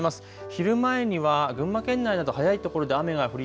昼前には群馬県など早い所で雨が降り